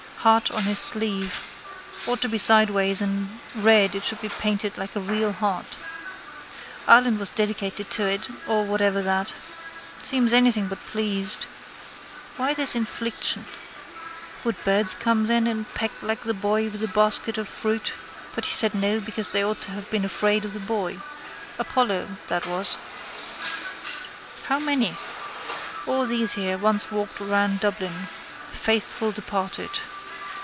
Heart on his sleeve. Ought to be sideways and red it should be painted like a real heart. Ireland was dedicated to it or whatever that. Seems anything but pleased. Why this infliction? Would birds come then and peck like the boy with the basket of fruit but he said no because they ought to have been afraid of the boy. Apollo that was. How many! All these here once walked round Dublin. Faithful departed.